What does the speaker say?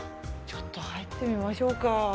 ちょっと入ってみましょうか。